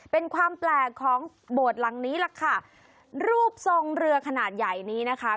เป็นความแปลกของโบสถ์หลังนี้ล่ะค่ะรูปทรงเรือขนาดใหญ่นี้นะคะ